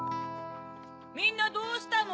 みんなどうしたの？